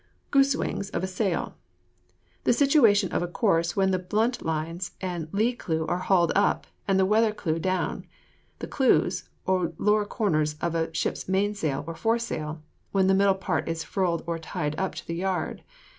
GOOSE WINGS OF A SAIL. The situation of a course when the buntlines and lee clue are hauled up, and the weather clue down. The clues, or lower corners of a ship's main sail or fore sail, when the middle part is furled or tied up to the yard.